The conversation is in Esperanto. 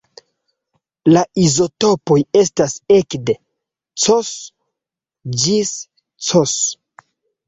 La izotopoj estas ekde Cs ĝis Cs.